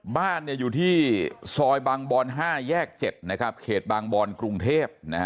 บ้านเนี่ยอยู่ที่ซอยบางบรนศ์๕แยก๗นะครับเหตุบางบรนศ์กรุงเทพฯนะฮะ